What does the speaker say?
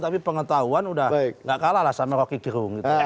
tapi pengetahuan sudah tidak kalah lah sama rocky girung